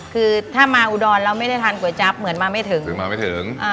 คือถ้ามาอุดรแล้วไม่ได้ทานก๋วยจั๊บเหมือนมาไม่ถึงคือมาไม่ถึงอ่า